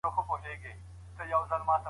زه ولي ولاړ سم .